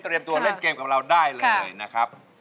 ตัวเล่นเกมกับเราได้เลยนะครับ